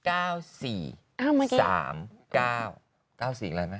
๙๔อะไรมั้ย